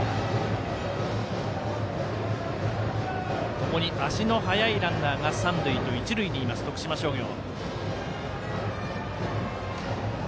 ともに足の速いランナーが三塁と一塁にいます徳島商業。